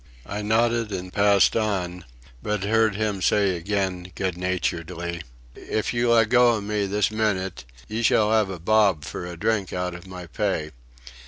I nodded and passed on, but heard him say again, good naturedly: "If you leggo of me this minyt ye shall 'ave a bob for a drink out of my pay."